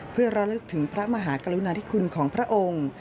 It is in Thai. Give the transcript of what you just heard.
เพื่อระลึกถึงพระมหากรุณาธิคุณของพระองค์